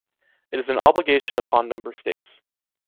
It is an obligation upon Member States.